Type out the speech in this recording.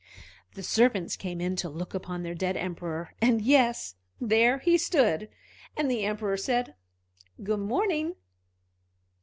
The servants came in to look on their dead Emperor, and yes, there he stood, and the Emperor said, "Good morning!"